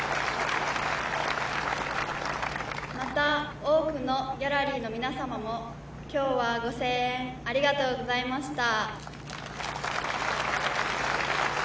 また、多くのギャラリーの皆様も、きょうはご声援、ありがとうございました。